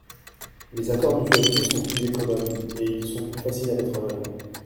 Les accords mutualisés sont plus économes et ils sont plus faciles à mettre en œuvre.